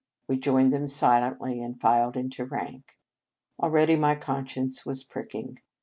We joined them silently, and filed into rank. Already my conscience was pricking.